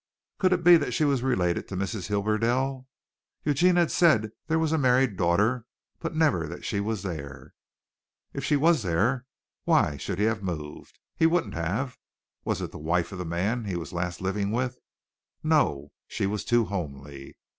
Could it be that she was related to Mrs. Hibberdell? Eugene had said that there was a married daughter, but never that she was there. If she was there, why should he have moved? He wouldn't have. Was it the wife of the man he was last living with? No; she was too homely.